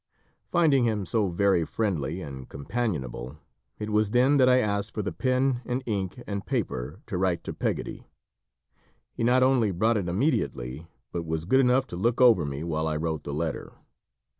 Finding him so very friendly and companionable, it was then that I asked for the pen and ink and paper, to write to Peggoty. He not only brought it immediately, but was good enough to look over me while I wrote the letter.